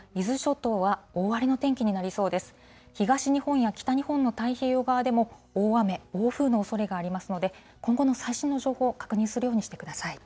東日本や北日本の太平洋側でも、大雨、暴風のおそれがありますので、今後の最新の情報、確認するようにしてください。